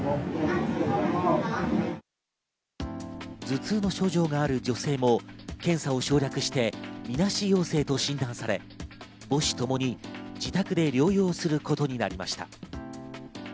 頭痛の症状がある女性の検査を省略して、みなし陽性と診断され、母子ともに自宅で療養することになりました。